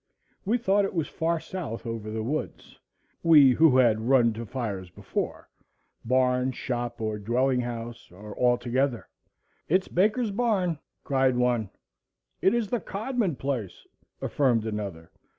We thought it was far south over the woods,—we who had run to fires before,—barn, shop, or dwelling house, or all together. "It's Baker's barn," cried one. "It is the Codman place," affirmed another.